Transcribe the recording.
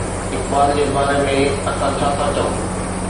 اقبال جي باري ۾ اسان ڇا ٿا چئون؟